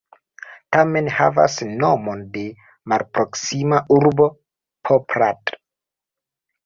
Tamen havas nomon de malproksima urbo Poprad.